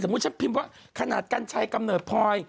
มุติฉันพิมพ์ว่าขนาดกัญชัยกำเนิดพลอย